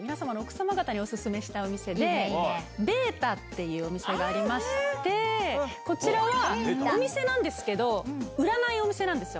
奥様方に、皆様の奥様方にお勧めしたいお店で、ベータっていうお店がありまして、こちらは、お店なんですけど、売らないお店なんですよ。